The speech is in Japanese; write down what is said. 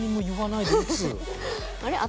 あれ？